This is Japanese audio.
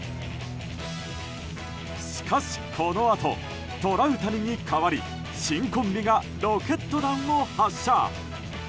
しかし、このあとトラウタニに代わり新コンビがロケット弾を発射。